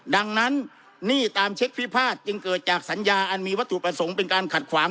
ดังนั้นหนี้ตามเช็คพิพาทจึงเกิดจากสัญญาอันมีวัตถุประสงค์เป็นการขัดขวาง